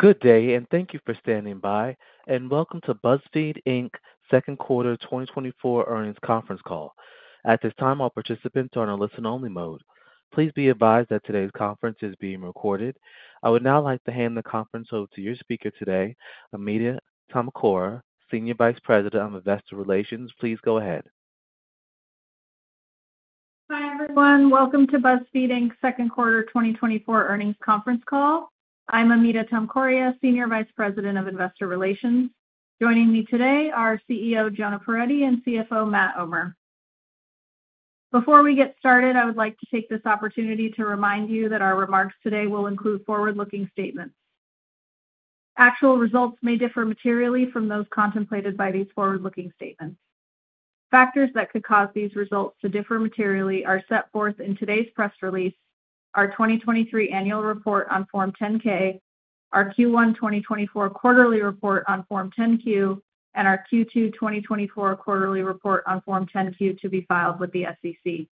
Good day, and thank you for standing by, and welcome to BuzzFeed Inc.'s second quarter 2024 earnings conference call. At this time, all participants are on a listen-only mode. Please be advised that today's conference is being recorded. I would now like to hand the conference over to your speaker today, Amita Tomkoria, Senior Vice President of Investor Relations. Please go ahead. Hi, everyone. Welcome to BuzzFeed Inc.'s second quarter 2024 earnings conference call. I'm Amita Tomkoria, Senior Vice President of Investor Relations. Joining me today are CEO Jonah Peretti and CFO Matt Omer. Before we get started, I would like to take this opportunity to remind you that our remarks today will include forward-looking statements. Actual results may differ materially from those contemplated by these forward-looking statements. Factors that could cause these results to differ materially are set forth in today's press release, our 2023 annual report on Form 10-K, our Q1 2024 quarterly report on Form 10-Q, and our Q2 2024 quarterly report on Form 10-Q to be filed with the SEC.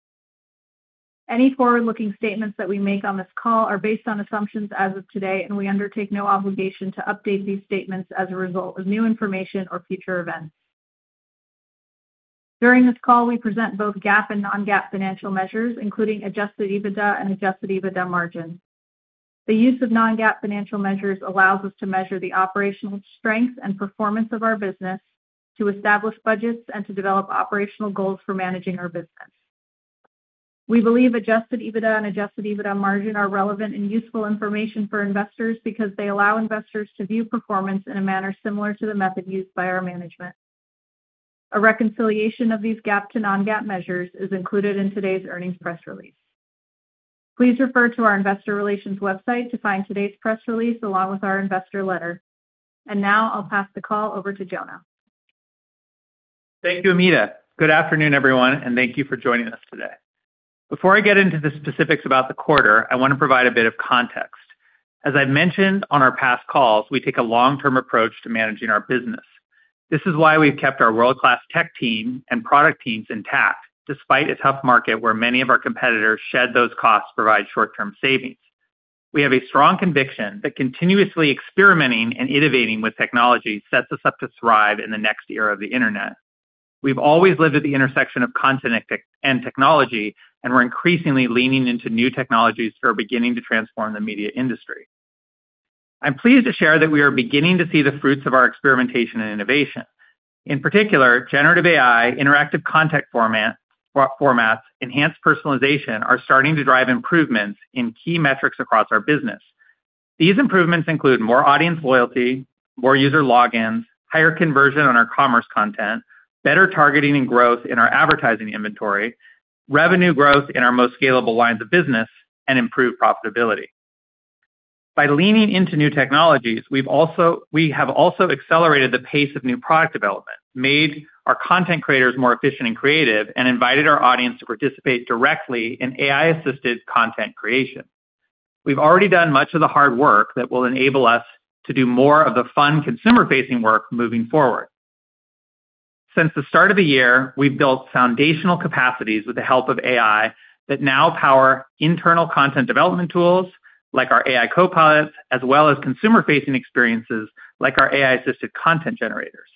Any forward-looking statements that we make on this call are based on assumptions as of today, and we undertake no obligation to update these statements as a result of new information or future events. During this call, we present both GAAP and non-GAAP financial measures, including adjusted EBITDA and adjusted EBITDA margin. The use of non-GAAP financial measures allows us to measure the operational strength and performance of our business, to establish budgets and to develop operational goals for managing our business. We believe adjusted EBITDA and adjusted EBITDA margin are relevant and useful information for investors because they allow investors to view performance in a manner similar to the method used by our management. A reconciliation of these GAAP to non-GAAP measures is included in today's earnings press release. Please refer to our investor relations website to find today's press release, along with our investor letter. Now I'll pass the call over to Jonah. Thank you, Amita. Good afternoon, everyone, and thank you for joining us today. Before I get into the specifics about the quarter, I want to provide a bit of context. As I've mentioned on our past calls, we take a long-term approach to managing our business. This is why we've kept our world-class tech team and product teams intact, despite a tough market where many of our competitors shed those costs to provide short-term savings. We have a strong conviction that continuously experimenting and innovating with technology sets us up to thrive in the next era of the internet. We've always lived at the intersection of content and tech, and technology, and we're increasingly leaning into new technologies that are beginning to transform the media industry. I'm pleased to share that we are beginning to see the fruits of our experimentation and innovation. In particular, Generative AI, interactive content formats, enhanced personalization, are starting to drive improvements in key metrics across our business. These improvements include more audience loyalty, more user logins, higher conversion on our commerce content, better targeting and growth in our advertising inventory, revenue growth in our most scalable lines of business, and improved profitability. By leaning into new technologies, we've also accelerated the pace of new product development, made our content creators more efficient and creative, and invited our audience to participate directly in AI-assisted content creation. We've already done much of the hard work that will enable us to do more of the fun, consumer-facing work moving forward. Since the start of the year, we've built foundational capacities with the help of AI that now power internal content development tools like our AI copilots, as well as consumer-facing experiences like our AI-assisted content generators.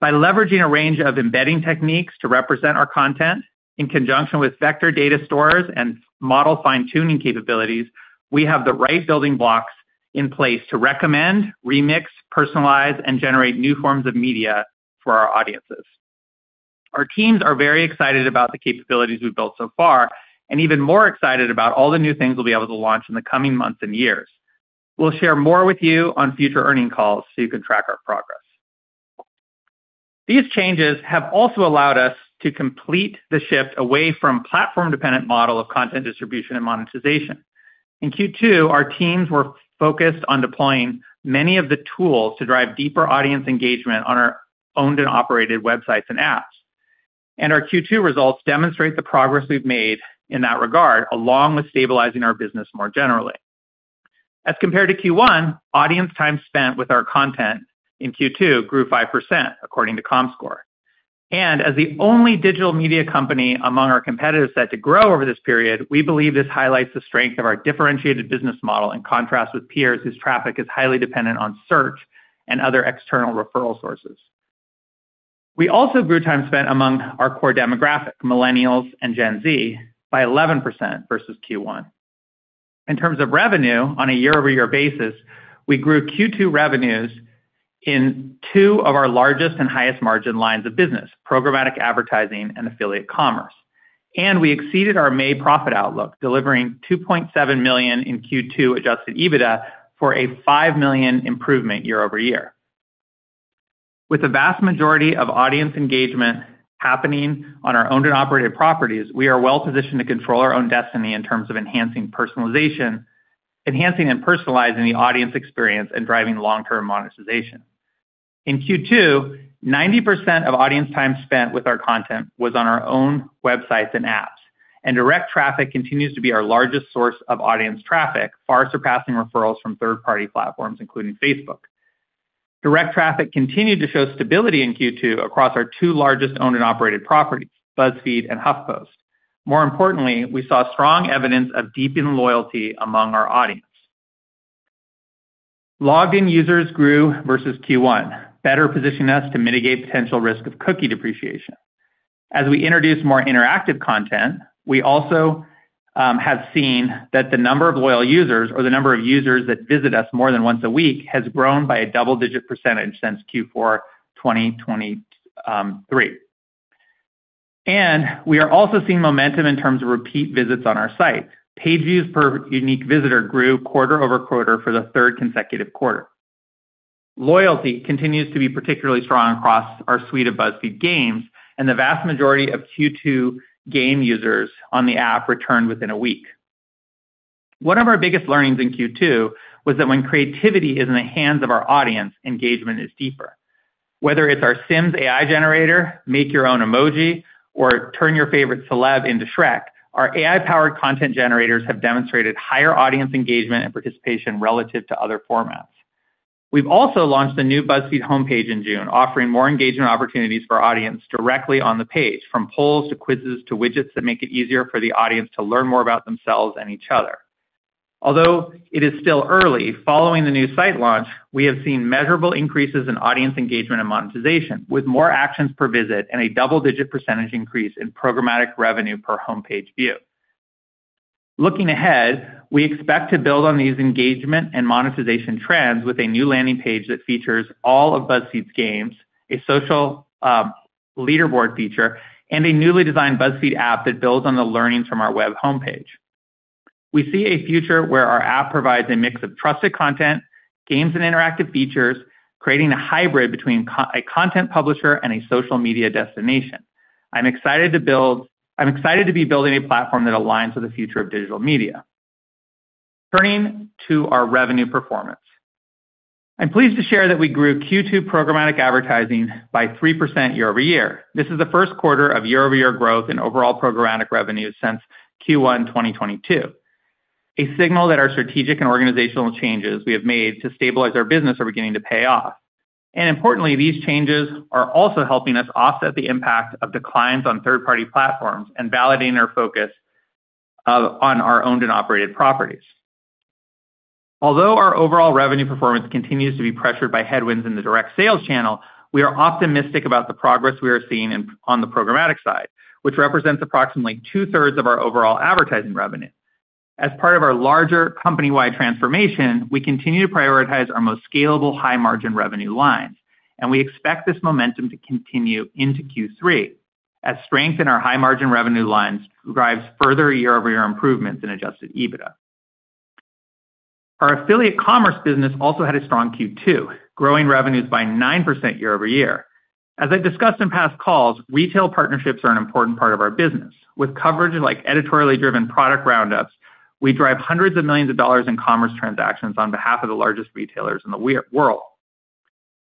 By leveraging a range of embedding techniques to represent our content, in conjunction with vector data stores and model fine-tuning capabilities, we have the right building blocks in place to recommend, remix, personalize, and generate new forms of media for our audiences. Our teams are very excited about the capabilities we've built so far, and even more excited about all the new things we'll be able to launch in the coming months and years. We'll share more with you on future earnings calls so you can track our progress. These changes have also allowed us to complete the shift away from platform-dependent model of content distribution and monetization. In Q2, our teams were focused on deploying many of the tools to drive deeper audience engagement on our owned and operated websites and apps. Our Q2 results demonstrate the progress we've made in that regard, along with stabilizing our business more generally. As compared to Q1, audience time spent with our content in Q2 grew 5%, according to Comscore. As the only digital media company among our competitors set to grow over this period, we believe this highlights the strength of our differentiated business model, in contrast with peers, whose traffic is highly dependent on search and other external referral sources. We also grew time spent among our core demographic, Millennials and Gen Z, by 11% versus Q1. In terms of revenue on a year-over-year basis, we grew Q2 revenues in two of our largest and highest margin lines of business, programmatic advertising and affiliate commerce. We exceeded our May profit outlook, delivering $2.7 million in Q2 adjusted EBITDA for a $5 million improvement year-over-year. With the vast majority of audience engagement happening on our owned and operated properties, we are well positioned to control our own destiny in terms of enhancing personalization, enhancing and personalizing the audience experience, and driving long-term monetization. In Q2, 90% of audience time spent with our content was on our own websites and apps, and direct traffic continues to be our largest source of audience traffic, far surpassing referrals from third-party platforms, including Facebook. Direct traffic continued to show stability in Q2 across our two largest owned and operated properties, BuzzFeed and HuffPost. More importantly, we saw strong evidence of deepened loyalty among our audience. Logged-in users grew versus Q1, better positioning us to mitigate potential risk of cookie depreciation. As we introduce more interactive content, we also have seen that the number of loyal users or the number of users that visit us more than once a week has grown by a double-digit percentage since Q4 2023. We are also seeing momentum in terms of repeat visits on our site. Page views per unique visitor grew quarter-over-quarter for the third consecutive quarter. Loyalty continues to be particularly strong across our suite of BuzzFeed games, and the vast majority of Q2 game users on the app returned within a week. One of our biggest learnings in Q2 was that when creativity is in the hands of our audience, engagement is deeper. Whether it's our Sims AI generator, Make Your Own Emoji, or Turn Your Favorite Celeb into Shrek, our AI-powered content generators have demonstrated higher audience engagement and participation relative to other formats. We've also launched a new BuzzFeed homepage in June, offering more engagement opportunities for our audience directly on the page, from polls to quizzes to widgets that make it easier for the audience to learn more about themselves and each other. Although it is still early, following the new site launch, we have seen measurable increases in audience engagement and monetization, with more actions per visit and a double-digit percentage increase in programmatic revenue per homepage view. Looking ahead, we expect to build on these engagement and monetization trends with a new landing page that features all of BuzzFeed's games, a social leaderboard feature, and a newly designed BuzzFeed app that builds on the learnings from our web homepage. We see a future where our app provides a mix of trusted content, games and interactive features, creating a hybrid between a content publisher and a social media destination. I'm excited to be building a platform that aligns with the future of digital media. Turning to our revenue performance. I'm pleased to share that we grew Q2 programmatic advertising by 3% year-over-year. This is the first quarter of year-over-year growth in overall programmatic revenue since Q1 2022, a signal that our strategic and organizational changes we have made to stabilize our business are beginning to pay off. Importantly, these changes are also helping us offset the impact of declines on third-party platforms and validating our focus on our owned and operated properties. Although our overall revenue performance continues to be pressured by headwinds in the direct sales channel, we are optimistic about the progress we are seeing on the programmatic side, which represents approximately 2/3 of our overall advertising revenue. As part of our larger company-wide transformation, we continue to prioritize our most scalable high-margin revenue lines, and we expect this momentum to continue into Q3 as strength in our high-margin revenue lines drives further year-over-year improvements in adjusted EBITDA. Our affiliate commerce business also had a strong Q2, growing revenues by 9% year-over-year. As I've discussed in past calls, retail partnerships are an important part of our business. With coverage like editorially driven product roundups, we drive hundreds of millions dollars in commerce transactions on behalf of the largest retailers in the world.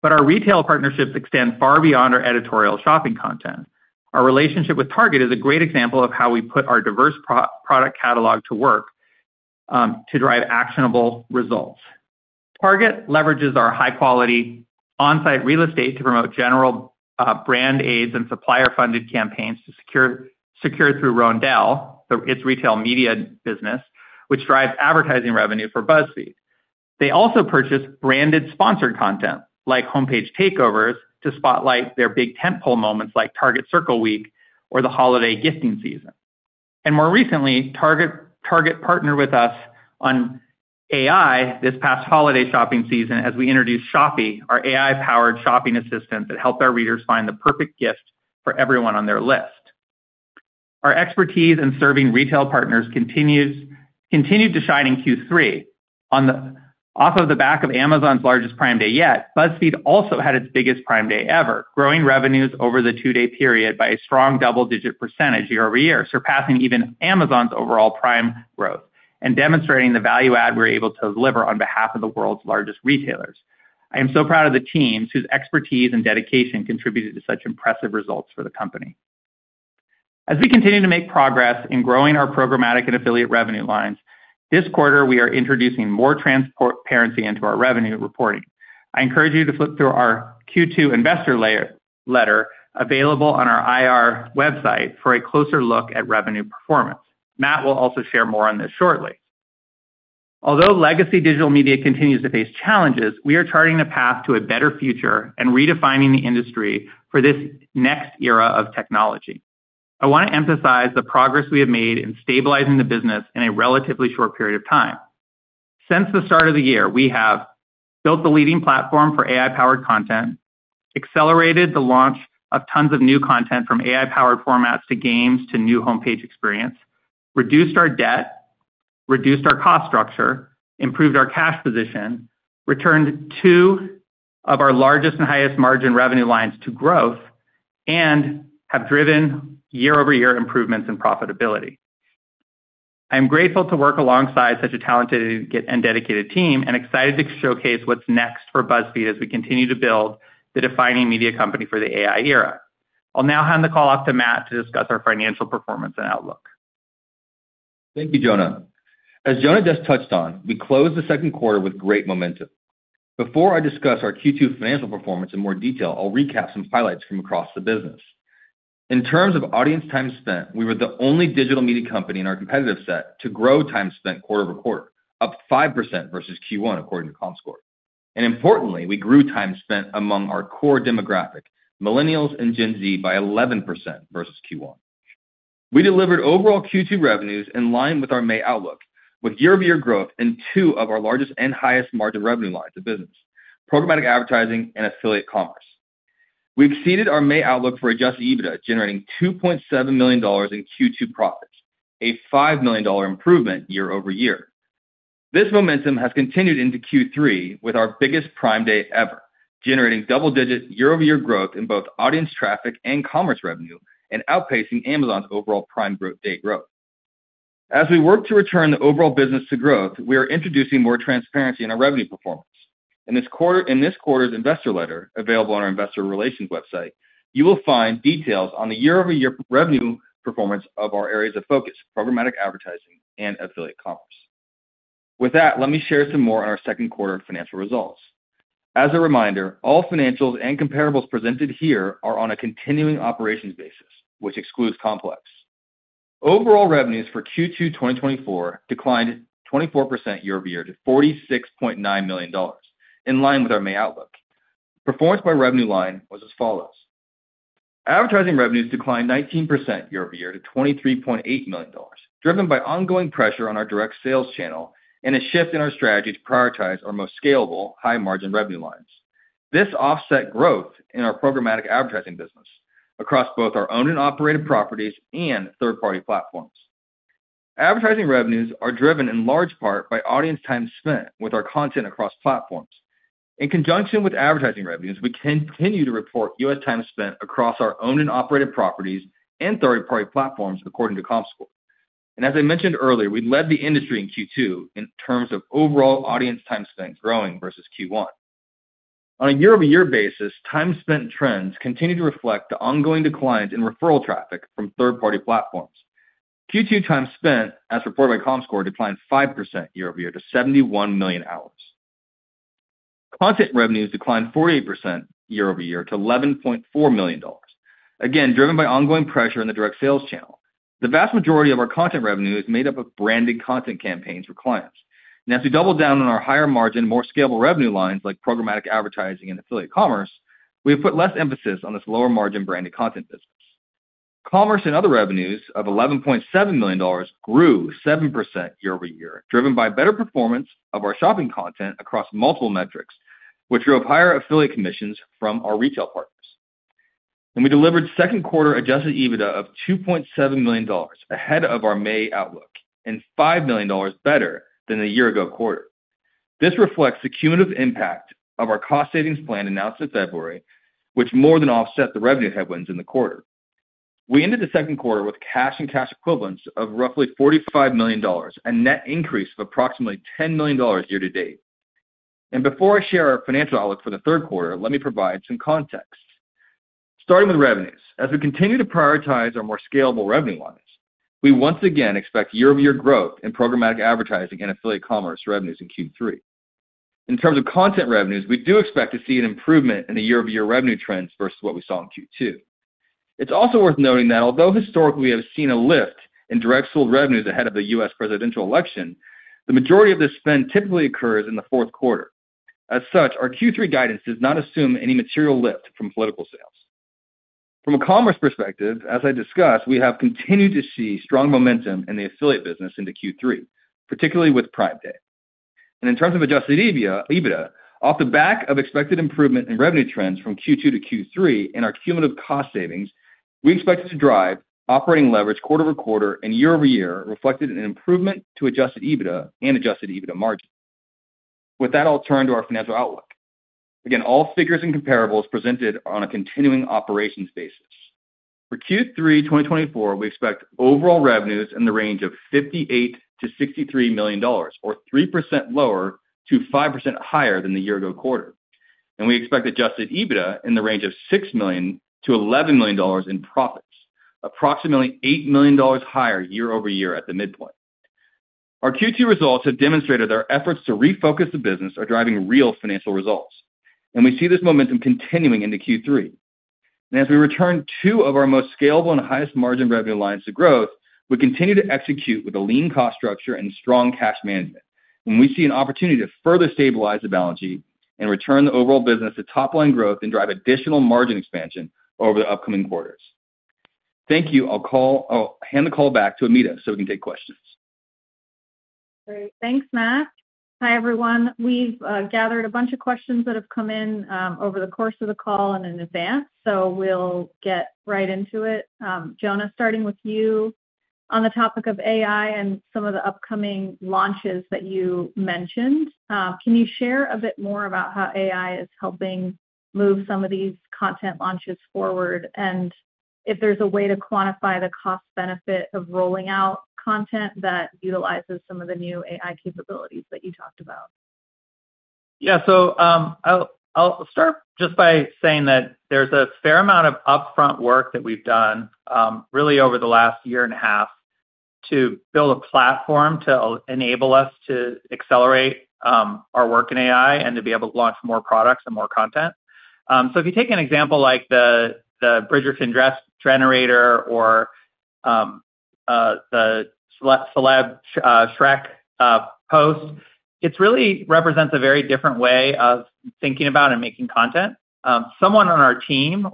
But our retail partnerships extend far beyond our editorial shopping content. Our relationship with Target is a great example of how we put our diverse product catalog to work, to drive actionable results. Target leverages our high-quality on-site real estate to promote general brand ads and supplier-funded campaigns to secure through Roundel its retail media business, which drives advertising revenue for BuzzFeed. They also purchase branded sponsored content, like homepage takeovers, to spotlight their big tentpole moments like Target Circle Week or the holiday gifting season. And more recently, Target partnered with us on AI this past holiday shopping season as we introduced Shoppy, our AI-powered shopping assistant, that helped our readers find the perfect gift for everyone on their list. Our expertise in serving retail partners continued to shine in Q3. On the... Off of the back of Amazon's largest Prime Day yet, BuzzFeed also had its biggest Prime Day ever, growing revenues over the two-day period by a strong double-digit percentage year-over-year, surpassing even Amazon's overall Prime growth and demonstrating the value add we're able to deliver on behalf of the world's largest retailers. I am so proud of the teams whose expertise and dedication contributed to such impressive results for the company. As we continue to make progress in growing our programmatic and affiliate revenue lines, this quarter, we are introducing more transparency into our revenue reporting. I encourage you to flip through our Q2 investor letter, available on our IR website, for a closer look at revenue performance. Matt will also share more on this shortly. Although legacy digital media continues to face challenges, we are charting a path to a better future and redefining the industry for this next era of technology. I want to emphasize the progress we have made in stabilizing the business in a relatively short period of time. Since the start of the year, we have built the leading platform for AI-powered content, accelerated the launch of tons of new content, from AI-powered formats to games to new homepage experience, reduced our debt, reduced our cost structure, improved our cash position, returned two of our largest and highest margin revenue lines to growth, and have driven year-over-year improvements in profitability. I'm grateful to work alongside such a talented and dedicated team and excited to showcase what's next for BuzzFeed as we continue to build the defining media company for the AI era. I'll now hand the call off to Matt to discuss our financial performance and outlook. Thank you, Jonah. As Jonah just touched on, we closed the second quarter with great momentum. Before I discuss our Q2 financial performance in more detail, I'll recap some highlights from across the business. In terms of audience time spent, we were the only digital media company in our competitive set to grow time spent quarter-over-quarter, up 5% versus Q1, according to Comscore. Importantly, we grew time spent among our core demographic, Millennials and Gen Z, by 11% versus Q1. We delivered overall Q2 revenues in line with our May outlook, with year-over-year growth in two of our largest and highest margin revenue lines of business, programmatic advertising and affiliate commerce. We exceeded our May outlook for adjusted EBITDA, generating $2.7 million in Q2 profits, a $5 million dollar improvement year-over-year. This momentum has continued into Q3, with our biggest Prime Day ever, generating double-digit year-over-year growth in both audience traffic and commerce revenue, and outpacing Amazon's overall Prime Day growth. As we work to return the overall business to growth, we are introducing more transparency in our revenue performance. In this quarter's investor letter, available on our investor relations website, you will find details on the year-over-year revenue performance of our areas of focus, programmatic advertising and affiliate commerce. With that, let me share some more on our second quarter financial results. As a reminder, all financials and comparables presented here are on a continuing operations basis, which excludes Complex. Overall revenues for Q2 2024 declined 24% year-over-year to $46.9 million, in line with our May outlook. Performance by revenue line was as follows: Advertising revenues declined 19% year-over-year to $23.8 million, driven by ongoing pressure on our direct sales channel and a shift in our strategy to prioritize our most scalable, high-margin revenue lines. This offset growth in our programmatic advertising business across both our owned and operated properties and third-party platforms. Advertising revenues are driven in large part by audience time spent with our content across platforms. In conjunction with advertising revenues, we continue to report U.S. time spent across our owned and operated properties and third-party platforms, according to Comscore. As I mentioned earlier, we led the industry in Q2 in terms of overall audience time spent growing versus Q1. On a year-over-year basis, time spent trends continue to reflect the ongoing declines in referral traffic from third-party platforms. Q2 time spent, as reported by Comscore, declined 5% year-over-year to 71 million hours. Content revenues declined 48% year-over-year to $11.4 million, again, driven by ongoing pressure in the direct sales channel. The vast majority of our content revenue is made up of branded content campaigns for clients. And as we double down on our higher margin, more scalable revenue lines like programmatic advertising and affiliate commerce, we have put less emphasis on this lower margin branded content business. Commerce and other revenues of $11.7 million grew 7% year-over-year, driven by better performance of our shopping content across multiple metrics, which drove higher affiliate commissions from our retail partners. We delivered second quarter adjusted EBITDA of $2.7 million, ahead of our May outlook, and $5 million better than the year ago quarter. This reflects the cumulative impact of our cost savings plan announced in February, which more than offset the revenue headwinds in the quarter. We ended the second quarter with cash and cash equivalents of roughly $45 million, a net increase of approximately $10 million year to date. Before I share our financial outlook for the third quarter, let me provide some context. Starting with revenues. As we continue to prioritize our more scalable revenue lines, we once again expect year-over-year growth in programmatic advertising and affiliate commerce revenues in Q3. In terms of content revenues, we do expect to see an improvement in the year-over-year revenue trends versus what we saw in Q2. It's also worth noting that although historically, we have seen a lift in direct sold revenues ahead of the U.S. presidential election, the majority of this spend typically occurs in the fourth quarter. As such, our Q3 guidance does not assume any material lift from political sales. From a commerce perspective, as I discussed, we have continued to see strong momentum in the affiliate business into Q3, particularly with Prime Day. In terms of adjusted EBITDA, EBITDA, off the back of expected improvement in revenue trends from Q2 to Q3 and our cumulative cost savings, we expect this to drive operating leverage quarter-over-quarter and year-over-year, reflected in an improvement to adjusted EBITDA and adjusted EBITDA margin. With that, I'll turn to our financial outlook. Again, all figures and comparables presented are on a continuing operations basis. For Q3 2024, we expect overall revenues in the range of $58 million-$63 million, or 3% lower to 5% higher than the year ago quarter. We expect adjusted EBITDA in the range of $6 million-$11 million in profits, approximately $8 million higher year-over-year at the midpoint. Our Q2 results have demonstrated that our efforts to refocus the business are driving real financial results, and we see this momentum continuing into Q3. As we return two of our most scalable and highest margin revenue lines to growth, we continue to execute with a lean cost structure and strong cash management. We see an opportunity to further stabilize the balance sheet and return the overall business to top-line growth and drive additional margin expansion over the upcoming quarters. Thank you. I'll call... I'll hand the call back to Amita, so we can take questions. Great. Thanks, Matt. Hi, everyone. We've gathered a bunch of questions that have come in over the course of the call and in advance, so we'll get right into it. Jonah, starting with you. On the topic of AI and some of the upcoming launches that you mentioned, can you share a bit more about how AI is helping move some of these content launches forward? And if there's a way to quantify the cost benefit of rolling out content that utilizes some of the new AI capabilities that you talked about? Yeah, so, I'll start just by saying that there's a fair amount of upfront work that we've done, really over the last year and a half, to build a platform to enable us to accelerate our work in AI and to be able to launch more products and more content. So if you take an example like the Bridgerton dress generator or the celeb Shrek post, it's really represents a very different way of thinking about and making content. Someone on our team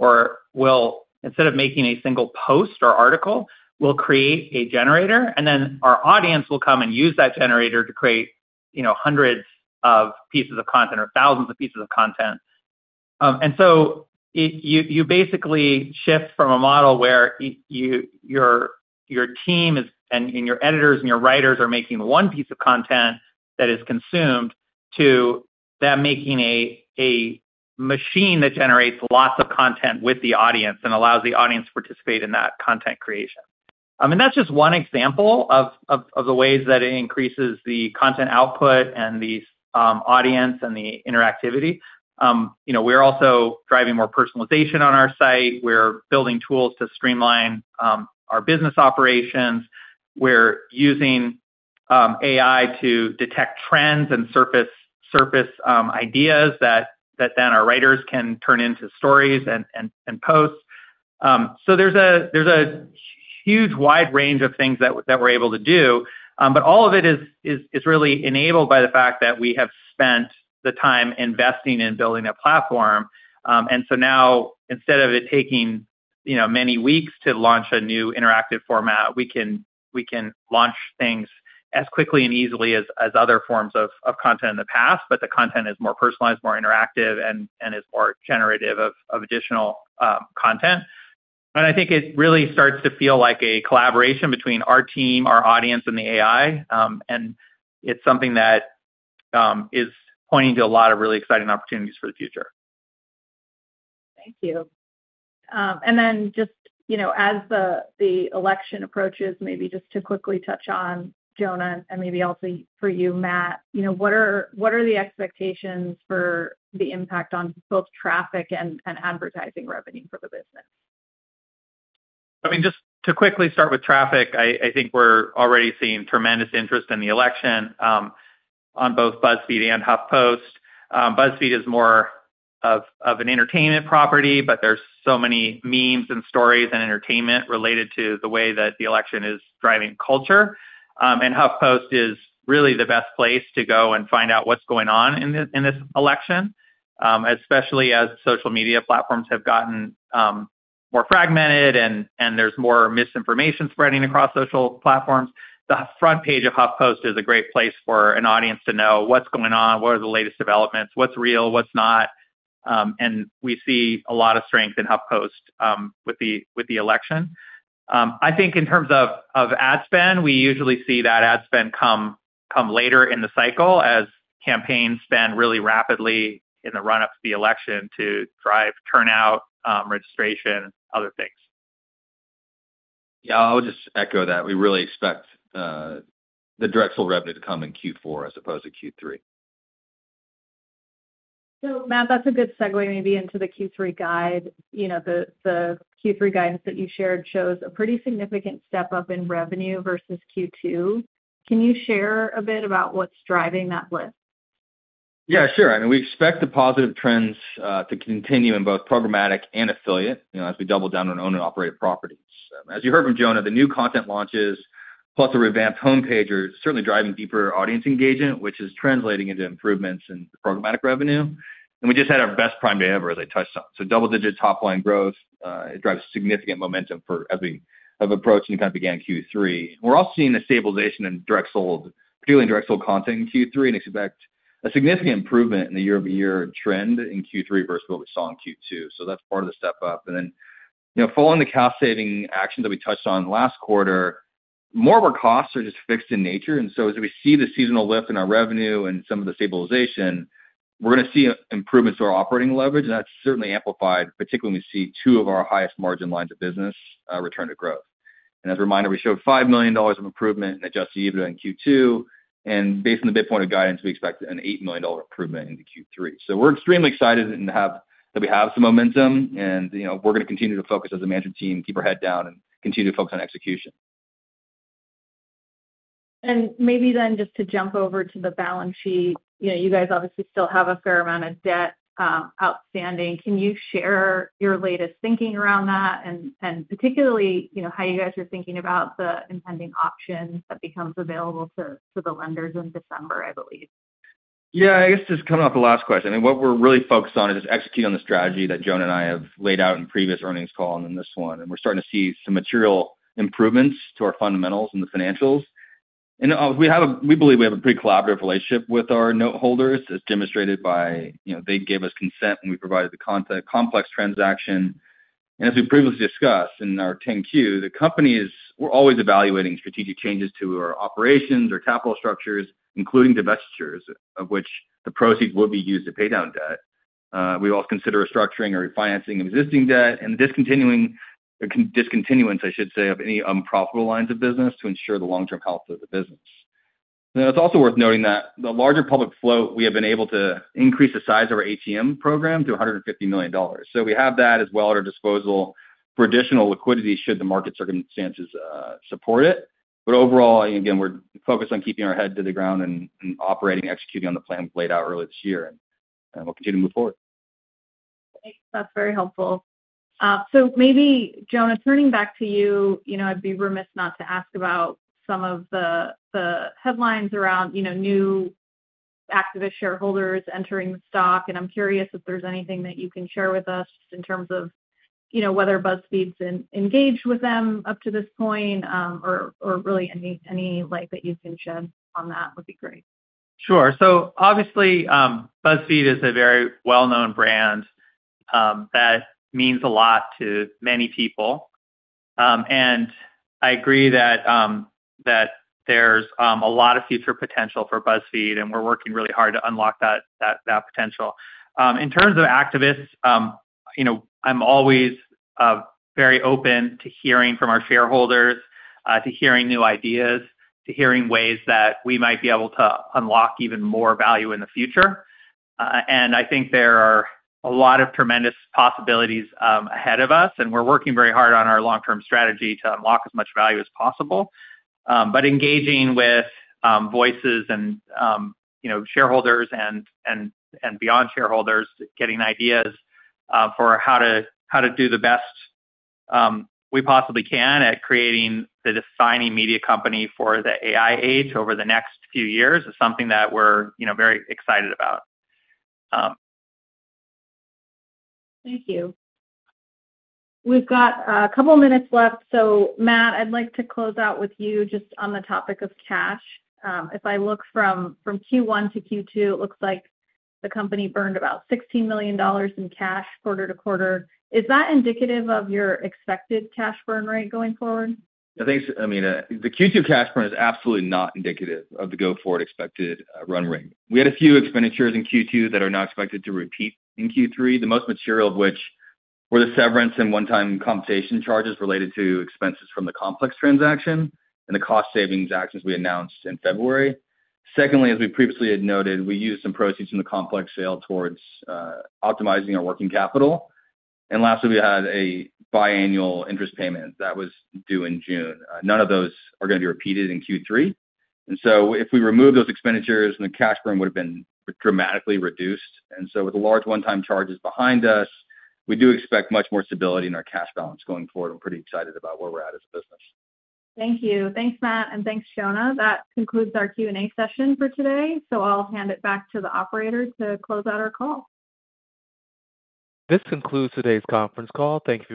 will, instead of making a single post or article, will create a generator, and then our audience will come and use that generator to create, you know, hundreds of pieces of content or thousands of pieces of content. You basically shift from a model where your team is, and your editors and your writers are making one piece of content that is consumed, to them making a machine that generates lots of content with the audience and allows the audience to participate in that content creation. I mean, that's just one example of the ways that it increases the content output and the audience and the interactivity. You know, we're also driving more personalization on our site. We're building tools to streamline our business operations. We're using AI to detect trends and surface ideas that then our writers can turn into stories and posts. So there's a huge wide range of things that we're able to do. But all of it is really enabled by the fact that we have spent the time investing in building a platform. And so now, instead of it taking, you know, many weeks to launch a new interactive format, we can launch things as quickly and easily as other forms of content in the past, but the content is more personalized, more interactive, and is more generative of additional content. And I think it really starts to feel like a collaboration between our team, our audience, and the AI. And it's something that is pointing to a lot of really exciting opportunities for the future. Thank you. And then just, you know, as the election approaches, maybe just to quickly touch on, Jonah, and maybe also for you, Matt, you know, what are the expectations for the impact on both traffic and advertising revenue for the business? I mean, just to quickly start with traffic, I think we're already seeing tremendous interest in the election on both BuzzFeed and HuffPost. BuzzFeed is more of an entertainment property, but there's so many memes and stories and entertainment related to the way that the election is driving culture. And HuffPost is really the best place to go and find out what's going on in this election, especially as social media platforms have gotten more fragmented and there's more misinformation spreading across social platforms. The front page of HuffPost is a great place for an audience to know what's going on, what are the latest developments, what's real, what's not. And we see a lot of strength in HuffPost with the election. I think in terms of ad spend, we usually see that ad spend come later in the cycle as campaigns spend really rapidly in the run-up to the election to drive turnout, registration, other things. Yeah, I'll just echo that. We really expect the direct full revenue to come in Q4 as opposed to Q3. So, Matt, that's a good segue maybe into the Q3 guide. You know, the Q3 guidance that you shared shows a pretty significant step-up in revenue versus Q2. Can you share a bit about what's driving that lift? Yeah, sure. I mean, we expect the positive trends to continue in both programmatic and affiliate, you know, as we double down on own and operated properties. As you heard from Jonah, the new content launches, plus a revamped homepage, are certainly driving deeper audience engagement, which is translating into improvements in programmatic revenue. And we just had our best Prime Day ever, as I touched on. So double-digit top line growth it drives significant momentum for as we have approached and kind of began Q3. We're also seeing a stabilization in direct sold, particularly direct sold content in Q3, and expect a significant improvement in the year-over-year trend in Q3 versus what we saw in Q2. So that's part of the step up. And then, you know, following the cost-saving actions that we touched on last quarter, more of our costs are just fixed in nature. So as we see the seasonal lift in our revenue and some of the stabilization, we're gonna see improvements to our operating leverage, and that's certainly amplified, particularly when we see two of our highest margin lines of business return to growth. And as a reminder, we showed $5 million of improvement in adjusted EBITDA in Q2, and based on the midpoint of guidance, we expect an $8 million improvement into Q3. So we're extremely excited and that we have some momentum and, you know, we're gonna continue to focus as a management team, keep our head down, and continue to focus on execution. Maybe then just to jump over to the balance sheet. You know, you guys obviously still have a fair amount of debt, outstanding. Can you share your latest thinking around that, and, and particularly, you know, how you guys are thinking about the impending option that becomes available to, to the lenders in December, I believe? Yeah, I guess just coming off the last question, and what we're really focused on is execute on the strategy that Jonah and I have laid out in previous earnings call and in this one. And we're starting to see some material improvements to our fundamentals and the financials. And we have a—we believe we have a pretty collaborative relationship with our note holders, as demonstrated by, you know, they gave us consent and we provided the Complex transaction. And as we previously discussed in our 10-Q, the company is. We're always evaluating strategic changes to our operations or capital structures, including divestitures, of which the proceeds would be used to pay down debt. We also consider restructuring or refinancing of existing debt and discontinuance, I should say, of any unprofitable lines of business to ensure the long-term health of the business. Now, it's also worth noting that the larger public float, we have been able to increase the size of our ATM program to $150 million. So we have that as well at our disposal for additional liquidity, should the market circumstances support it. But overall, again, we're focused on keeping our head to the ground and, and operating, executing on the plan we laid out earlier this year, and we'll continue to move forward. Great. That's very helpful. So maybe, Jonah, turning back to you, you know, I'd be remiss not to ask about some of the headlines around, you know, new activist shareholders entering the stock, and I'm curious if there's anything that you can share with us in terms of, you know, whether BuzzFeed's engaged with them up to this point, or really any light that you can shed on that would be great. Sure. So obviously, BuzzFeed is a very well-known brand that means a lot to many people. And I agree that there's a lot of future potential for BuzzFeed, and we're working really hard to unlock that potential. In terms of activists, you know, I'm always very open to hearing from our shareholders, to hearing new ideas, to hearing ways that we might be able to unlock even more value in the future. And I think there are a lot of tremendous possibilities ahead of us, and we're working very hard on our long-term strategy to unlock as much value as possible. But engaging with voices and, you know, shareholders and beyond shareholders, getting ideas for how to do the best we possibly can at creating the defining media company for the AI age over the next few years is something that we're, you know, very excited about. Thank you. We've got a couple of minutes left. So Matt, I'd like to close out with you just on the topic of cash. If I look from Q1 to Q2, it looks like the company burned about $16 million in cash quarter-to-quarter. Is that indicative of your expected cash burn rate going forward? I think, I mean, the Q2 cash burn is absolutely not indicative of the go-forward expected run rate. We had a few expenditures in Q2 that are not expected to repeat in Q3, the most material of which were the severance and one-time compensation charges related to expenses from the Complex transaction and the cost savings actions we announced in February. Secondly, as we previously had noted, we used some proceeds from the Complex sale towards optimizing our working capital. And lastly, we had a biannual interest payment that was due in June. None of those are gonna be repeated in Q3. And so if we remove those expenditures, then the cash burn would have been dramatically reduced. And so with the large one-time charges behind us, we do expect much more stability in our cash balance going forward. I'm pretty excited about where we're at as a business. Thank you. Thanks, Matt, and thanks, Jonah. That concludes our Q&A session for today, so I'll hand it back to the operator to close out our call. This concludes today's conference call. Thank you for-